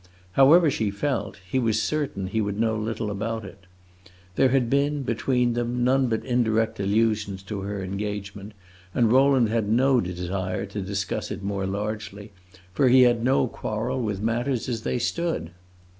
However she felt, he was certain he would know little about it. There had been, between them, none but indirect allusions to her engagement, and Rowland had no desire to discuss it more largely; for he had no quarrel with matters as they stood.